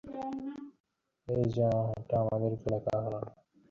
তিনি সামরিক সংস্কারের বাধা দূর করার জন্য এর নেতাদের মৃত্যুদন্ড দেন।